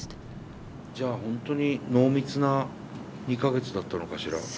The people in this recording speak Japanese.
じゃあ本当に濃密な２か月だったのかしら？